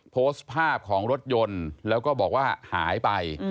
โพสต์ภาพของรถยนต์แล้วก็บอกว่าหายไป